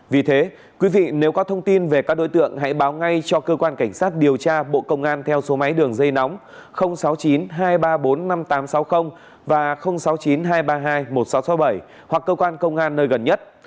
vì thế quý vị nếu có thông tin về các đối tượng hãy báo ngay cho cơ quan cảnh sát điều tra bộ công an theo số máy đường dây nóng sáu mươi chín hai trăm ba mươi bốn năm nghìn tám trăm sáu mươi và sáu mươi chín hai trăm ba mươi hai một nghìn sáu trăm sáu mươi bảy hoặc cơ quan công an nơi gần nhất